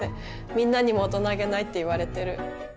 みんなにも大人げないって言われてる。